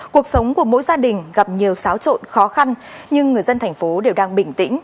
cuộc sống của mỗi gia đình gặp nhiều xáo trộn khó khăn nhưng người dân thành phố đều đang bình tĩnh